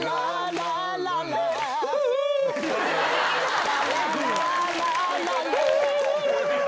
ララララララＦｕ！